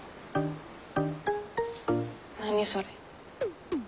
何それ。